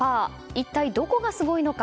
一体どこがすごいのか。